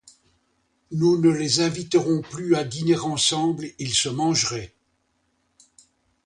Nous ne les inviterons plus à dîner ensemble, ils se mangeraient.